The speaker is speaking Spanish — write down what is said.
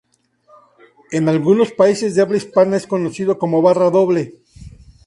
En algunos países de habla hispana es conocido como barra doble.